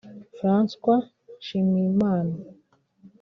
François Nshimiyimana